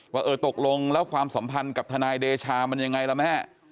ว่าเออตกลงแล้วความสัมพันธ์กับทนายเดชามันยังไงล่ะแม่